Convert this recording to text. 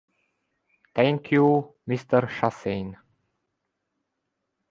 Thank you, Mr. Chassaigne.